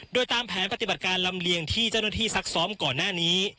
โดยตามแผนปฏิบัติการลำเลียงที่เจ้าหน้าที่ซักซ้อมก่อนหน้านี้